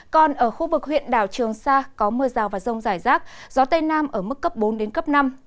còn ở khu vực huyện đảo trường sa có mưa rào và rông rải rác gió tây nam ở mức cấp bốn đến cấp năm